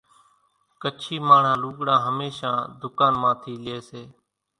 ڪڇي ماڻۿان لوڳڙان ھميشان ڌُڪان مان ٿي لئي سي